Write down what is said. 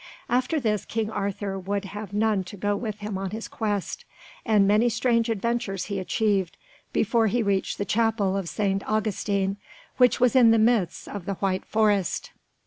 After this King Arthur would have none to go with him on his quest, and many strange adventures he achieved before he reached the chapel of St. Augustine, which was in the midst of the White Forest.